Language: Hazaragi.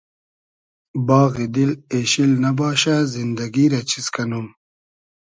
باغی دیل اېشیل نئباشۂ زیندئگی رۂ چیز کئنوم